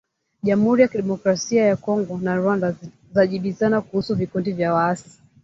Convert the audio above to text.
Jamhuri ya Kidemokrasia ya Kongo na Rwanda zajibizana kuhusu vikundi vya waasi